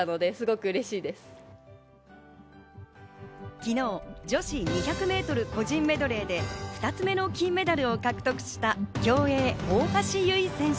昨日女子２００ｍ個人メドレーで２つ目の金メダルを獲得した競泳、大橋悠依選手。